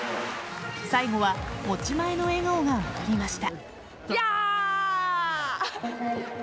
最後は持ち前の笑顔が戻りました。